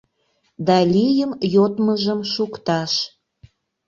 Да лийым йодмыжым шукташ.